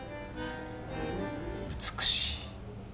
美しい。